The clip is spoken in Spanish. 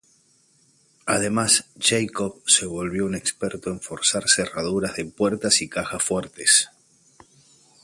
Además, Jacob se volvió un experto en forzar cerraduras de puertas y cajas fuerte.